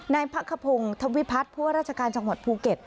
นายพักขพงศ์ธวิพัฒน์ผู้ว่าราชการจังหวัดภูเก็ต